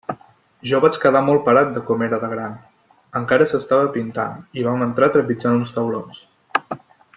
Jo vaig quedar molt parat de com era de gran; encara s'estava pintant, i vam entrar trepitjant uns taulons.